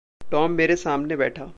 Tom मेरे सामने बैठा।